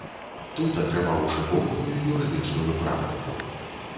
Тут атрымаў шыкоўную юрыдычную практыку.